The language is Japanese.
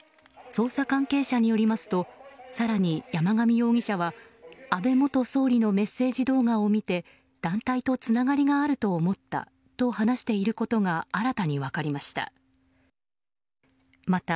捜査関係者によりますと更に山上容疑者は安倍元総理のメッセージ動画を見て団体とつながりがあると思ったと話していることが新たに分かりました。